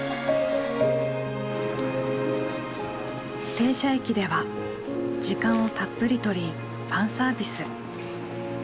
停車駅では時間をたっぷり取りファンサービス。